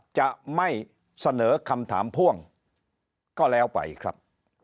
จะไม่เสนอคำถามพ่วงก็แล้วไปครับ